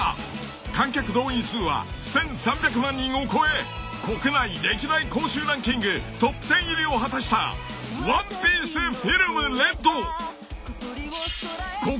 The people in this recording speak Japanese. ［観客動員数は１，３００万人を超え国内歴代興収ランキングトップテン入りを果たした『ＯＮＥＰＩＥＣＥＦＩＬＭＲＥＤ』］